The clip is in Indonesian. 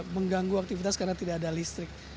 mengganggu aktivitas karena tidak ada listrik